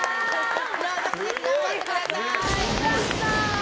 朗読劇、頑張ってください。